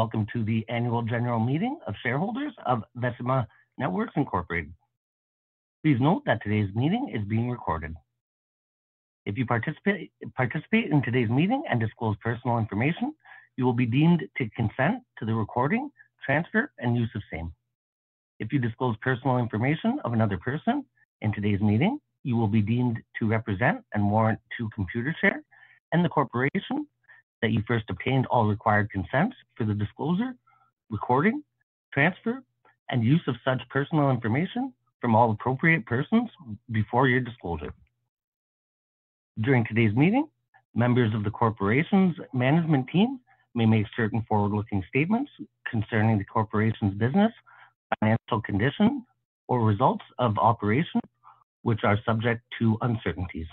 Hello, and welcome to the Annual General Meeting of Shareholders of Vecima Networks Inc. Please note that today's meeting is being recorded. If you participate in today's meeting and disclose personal information, you will be deemed to consent to the recording, transfer, and use of same. If you disclose personal information of another person in today's meeting, you will be deemed to represent and warrant to Computershare and the corporation that you first obtained all required consents for the disclosure, recording, transfer, and use of such personal information from all appropriate persons before your disclosure. During today's meeting, members of the corporation's management team may make certain forward-looking statements concerning the corporation's business, financial condition, or results of operations, which are subject to uncertainties.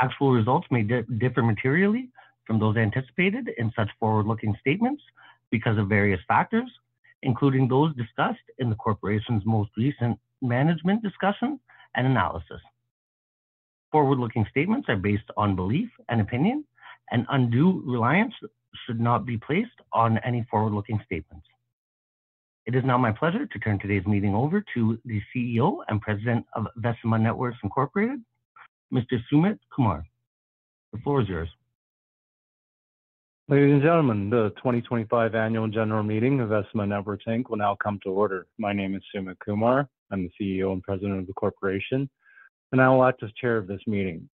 Actual results may differ materially from those anticipated in such forward-looking statements because of various factors, including those discussed in the corporation's most recent Management's Discussion and Analysis. Forward-looking statements are based on belief and opinion, and undue reliance should not be placed on any forward-looking statements. It is now my pleasure to turn today's meeting over to the CEO and President of Vecima Networks Inc., Mr. Sumit Kumar. The floor is yours. Ladies and gentlemen, the 2025 Annual General Meeting of Vecima Networks Inc. will now come to order. My name is Sumit Kumar. I'm the CEO and President of the corporation, and I will act as Chair of this meeting.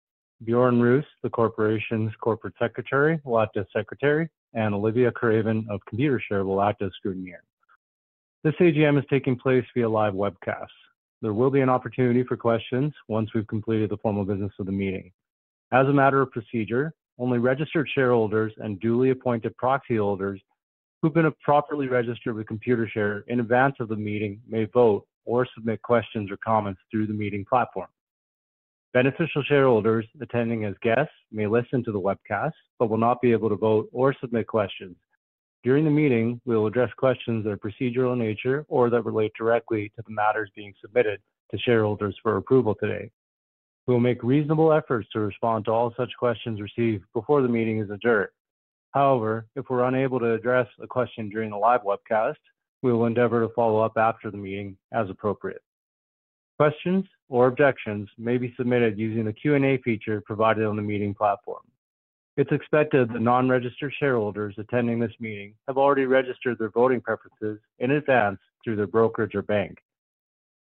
Bjorn Roos, the corporation's Corporate Secretary, will act as Secretary, and Olivia Craven of Computershare will act as Scrutineer. This AGM is taking place via live webcast. There will be an opportunity for questions once we've completed the formal business of the meeting. As a matter of procedure, only registered shareholders and duly appointed proxy holders who've been properly registered with Computershare in advance of the meeting may vote or submit questions or comments through the meeting platform. Beneficial shareholders attending as guests may listen to the webcast but will not be able to vote or submit questions. During the meeting, we will address questions that are procedural in nature or that relate directly to the matters being submitted to shareholders for approval today. We will make reasonable efforts to respond to all such questions received before the meeting is adjourned. However, if we're unable to address a question during the live webcast, we will endeavor to follow up after the meeting as appropriate. Questions or objections may be submitted using the Q&A feature provided on the meeting platform. It's expected that non-registered shareholders attending this meeting have already registered their voting preferences in advance through their brokerage or bank.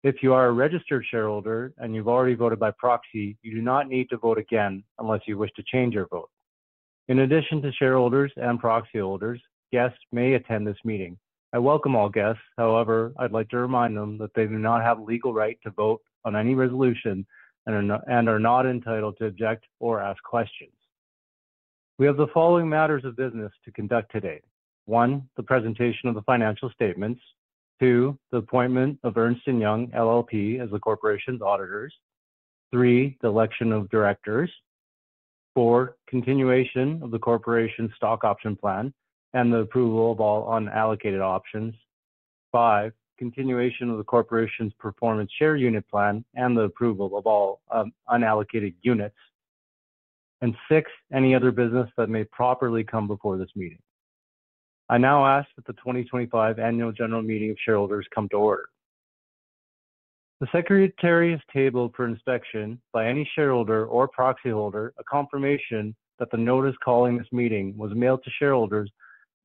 If you are a registered shareholder and you've already voted by proxy, you do not need to vote again unless you wish to change your vote. In addition to shareholders and proxy holders, guests may attend this meeting. I welcome all guests. However, I'd like to remind them that they do not have a legal right to vote on any resolution and are not entitled to object or ask questions. We have the following matters of business to conduct today: one, the presentation of the financial statements. Two, the appointment of Ernst & Young LLP as the corporation's auditors. Three, the election of directors. Four, continuation of the corporation's Stock Option Plan and the approval of all unallocated options. Five, continuation of the corporation's Performance Share Unit Plan and the approval of all unallocated units. And six, any other business that may properly come before this meeting. I now ask that the 2025 Annual General Meeting of Shareholders come to order. The secretary has tabled for inspection by any shareholder or proxy holder a confirmation that the notice calling this meeting was mailed to shareholders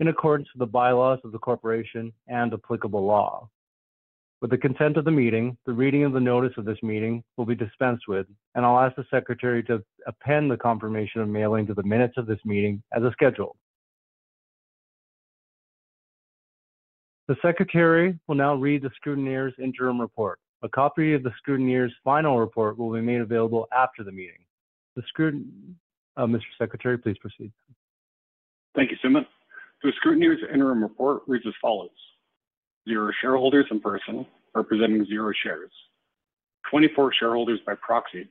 in accordance with the bylaws of the corporation and applicable law. With the consent of the meeting, the reading of the notice of this meeting will be dispensed with, and I'll ask the secretary to append the confirmation of mailing to the minutes of this meeting as scheduled. The secretary will now read the Scrutineer's Interim Report. A copy of the Scrutineer's Final Report will be made available after the meeting. Mr. Secretary, please proceed. Thank you, Sumit. The Scrutineer's Interim Report reads as follows: zero shareholders in person representing zero shares, 24 shareholders by proxy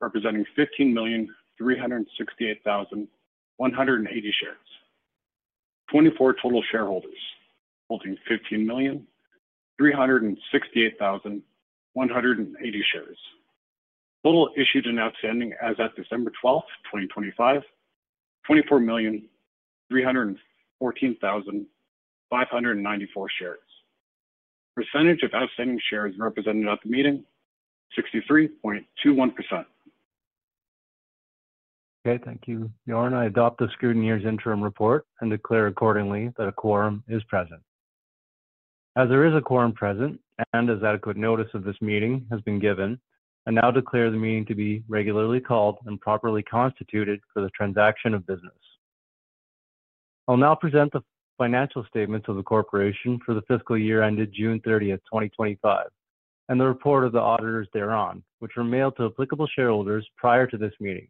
representing 15,368,180 shares, 24 total shareholders holding 15,368,180 shares, total issued and outstanding as of December 12th, 2025, 24,314,594 shares. Percentage of outstanding shares represented at the meeting: 63.21%. Okay. Thank you. Bjorn, I adopt the Scrutineer's Interim Report and declare accordingly that a quorum is present. As there is a quorum present and as adequate notice of this meeting has been given, I now declare the meeting to be regularly called and properly constituted for the transaction of business. I'll now present the financial statements of the corporation for the fiscal year ended June 30th, 2025, and the report of the auditors thereon, which were mailed to applicable shareholders prior to this meeting.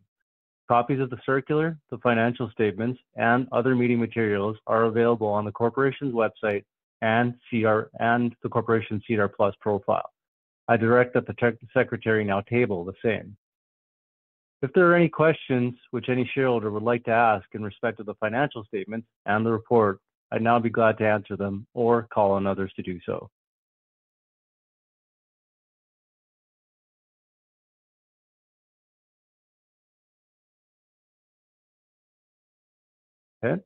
Copies of the circular, the financial statements, and other meeting materials are available on the corporation's website and the corporation's SEDAR+ profile. I direct that the secretary now table the same. If there are any questions which any shareholder would like to ask in respect of the financial statements and the report, I'd now be glad to answer them or call on others to do so. Okay.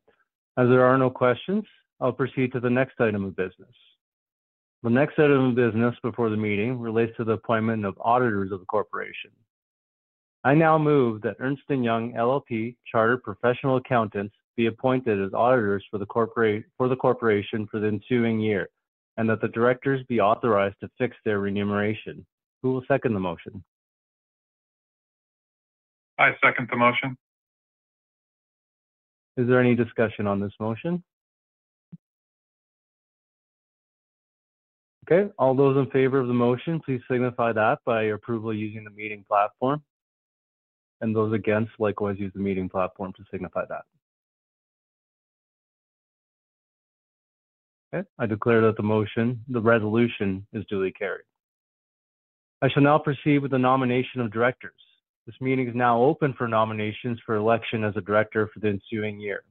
As there are no questions, I'll proceed to the next item of business. The next item of business before the meeting relates to the appointment of auditors of the corporation. I now move that Ernst & Young LLP, chartered professional accountants, be appointed as auditors for the corporation for the ensuing year and that the directors be authorized to fix their remuneration. Who will second the motion? I second the motion. Is there any discussion on this motion? Okay. All those in favor of the motion, please signify that by approval using the meeting platform, and those against, likewise, use the meeting platform to signify that. Okay. I declare that the resolution is duly carried. I shall now proceed with the nomination of directors. This meeting is now open for nominations for election as a director for the ensuing year.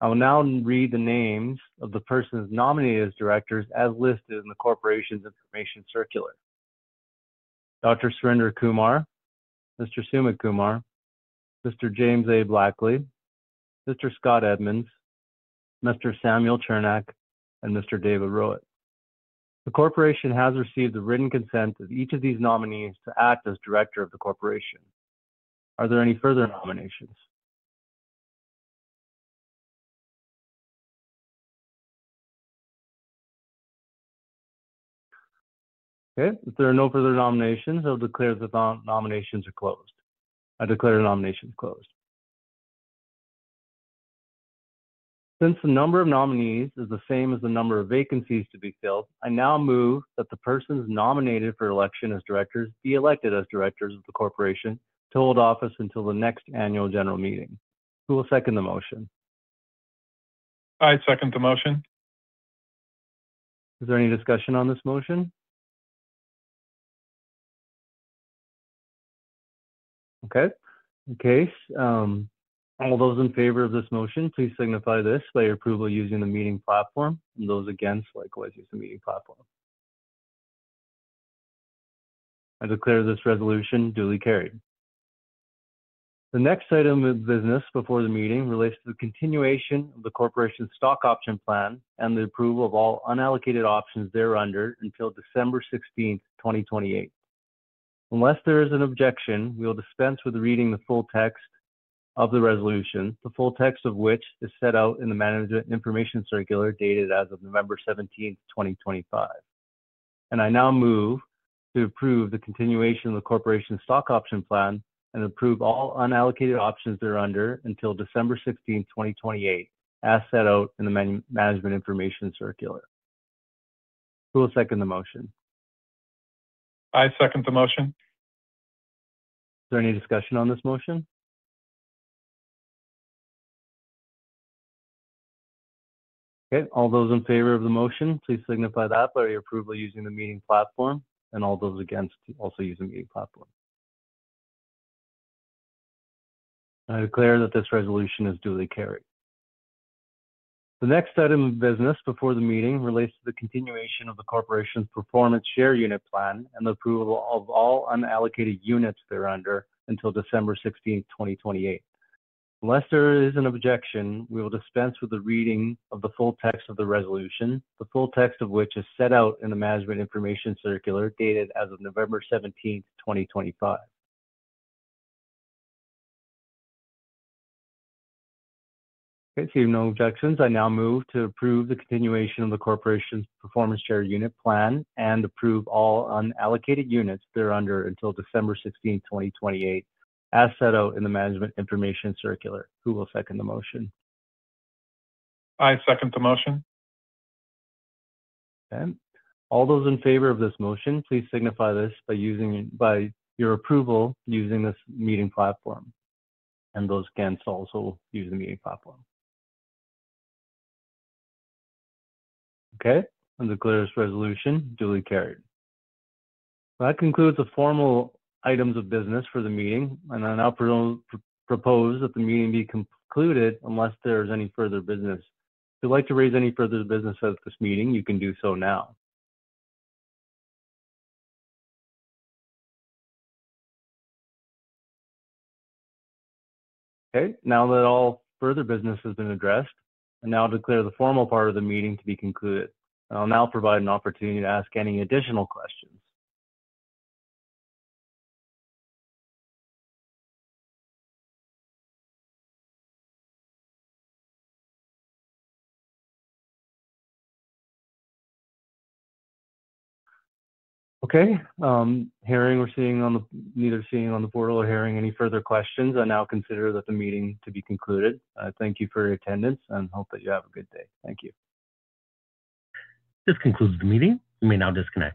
I will now read the names of the persons nominated as directors as listed in the corporation's information circular: Dr. Surinder Kumar, Mr. Sumit Kumar, Mr. James A. Blackley, Mr. Scott Edmonds, Mr. Samuel Chernak, and Mr. David Rowat. The corporation has received the written consent of each of these nominees to act as director of the corporation. Are there any further nominations? Okay. If there are no further nominations, I'll declare that the nominations are closed. I declare the nominations closed. Since the number of nominees is the same as the number of vacancies to be filled, I now move that the persons nominated for election as directors be elected as directors of the corporation to hold office until the next annual general meeting. Who will second the motion? I second the motion. Is there any discussion on this motion? Okay. All those in favor of this motion, please signify this by approval using the meeting platform, and those against, likewise, use the meeting platform. I declare this resolution duly carried. The next item of business before the meeting relates to the continuation of the corporation's Stock Option Plan and the approval of all unallocated options thereunder until December 16th, 2028. Unless there is an objection, we will dispense with reading the full text of the resolution, the full text of which is set out in the Management Information Circular dated as of November 17th, 2025. And I now move to approve the continuation of the corporation's Stock Option Plan and approve all unallocated options thereunder until December 16th, 2028, as set out in the Management Information Circular. Who will second the motion? I second the motion. Is there any discussion on this motion? Okay. All those in favor of the motion, please signify that by approval using the meeting platform, and all those against, also use the meeting platform. I declare that this resolution is duly carried. The next item of business before the meeting relates to the continuation of the Corporation's Performance Share Unit Plan and the approval of all unallocated units thereunder until December 16th, 2028. Unless there is an objection, we will dispense with the reading of the full text of the resolution, the full text of which is set out in the Management Information Circular dated as of November 17th, 2025. Okay. Seeing no objections, I now move to approve the continuation of the Corporation's Performance Share Unit Plan and approve all unallocated units thereunder until December 16th, 2028, as set out in the Management Information Circular. Who will second the motion? I second the motion. Okay. All those in favor of this motion, please signify this by your approval using this meeting platform, and those against also use the meeting platform. Okay. I declare this resolution duly carried. That concludes the formal items of business for the meeting, and I now propose that the meeting be concluded unless there is any further business. If you'd like to raise any further business at this meeting, you can do so now. Okay. Now that all further business has been addressed, I now declare the formal part of the meeting to be concluded. I'll now provide an opportunity to ask any additional questions. Okay. Hearing or seeing no questions on the portal or hearing any further questions, I now consider that the meeting to be concluded. Thank you for your attendance, and hope that you have a good day. Thank you. This concludes the meeting. You may now disconnect.